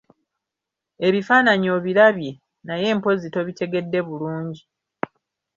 Ebifaananyi obirabye, naye mpozzi tobitegedde bulungi.